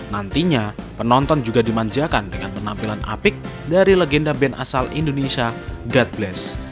nantinya penonton juga dimanjakan dengan penampilan apik dari legenda band asal indonesia god bless